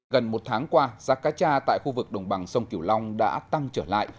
gần một tháng qua giá cá tra tại khu vực đồng bằng sông kiểu long đã tăng trở lại